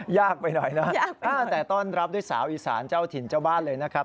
ยากไปหน่อยนะยากแต่ต้อนรับด้วยสาวอีสานเจ้าถิ่นเจ้าบ้านเลยนะครับ